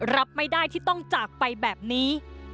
รับไม่ได้ที่ต้องจากไปแบบนี้